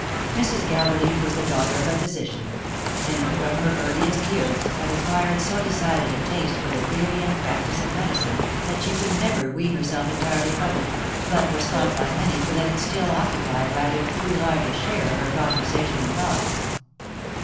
Mrs. Gabberly was the daughter of a physician ; and from her earliest years had acquired so decided a taste for the theory and practice of medicine, that she could never wean herself entirely from it, but was thought by many to let it still occupy rather too large a share of her conversation and thoughts.